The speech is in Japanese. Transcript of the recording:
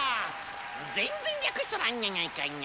全然略しとらんニャニャいかいな。